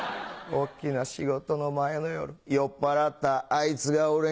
大っきな仕事の前の夜酔っぱらったあいつが俺に。